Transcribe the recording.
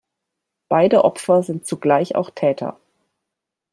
Beide Opfer sind zugleich auch Täter.